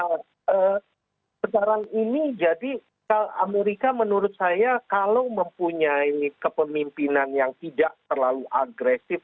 nah sekarang ini jadi amerika menurut saya kalau mempunyai kepemimpinan yang tidak terlalu agresif